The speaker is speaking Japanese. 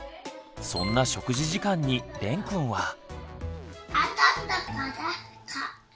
そんな食事時間にれんくんは。